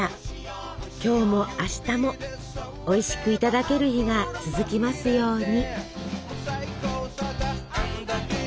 今日も明日もおいしくいただける日が続きますように。